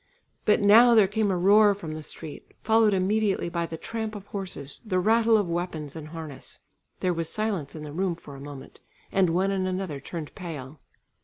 But now there came a roar from the street, followed immediately by the tramp of horses, the rattle of weapons and harness. There was silence in the room for a moment, and one and another turned pale.